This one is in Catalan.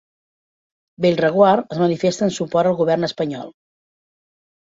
Bellreguard es manifesta en suport al govern espanyol